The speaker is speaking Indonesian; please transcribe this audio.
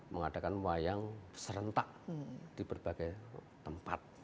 mengadakan wayang serentak di berbagai tempat